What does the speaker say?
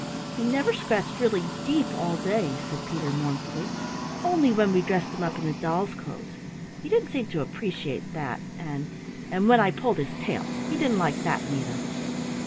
"He never scratched really deep all day," said Peter mournfully, "only when we dressed him up in the doll's clothes he didn't seem to 'preciate that an' an' when I pulled his tail he didn't like that, neither."